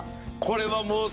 これはもう。